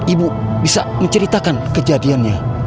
ibu bisa menceritakan kejadiannya